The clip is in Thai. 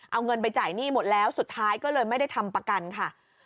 เอาเงินไปจ่ายหนี้หมดแล้วสุดท้ายก็เลยไม่ได้ทำประกันค่ะ